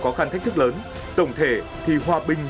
khó khăn thách thức lớn tổng thể thì hòa bình